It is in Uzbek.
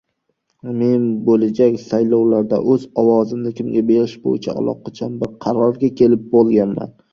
Men boʻlajak saylovlarda oʻz ovozimni kimga berish boʻyicha allaqachon bir qarorga kelib boʻlganman.